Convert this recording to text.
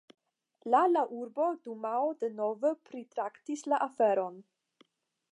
La la urba dumao denove pritraktis la aferon.